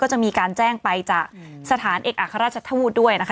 จะมีการแจ้งไปจากสถานเอกอัครราชทูตด้วยนะคะ